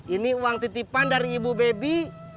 ini uang titipan dari ibu baby